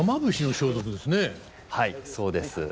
はいそうです。